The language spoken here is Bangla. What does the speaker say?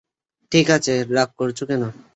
ঠিক আছে, রাগ করছো কেন?